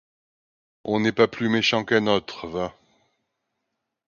On n’est pas plus méchant qu’un autre, va!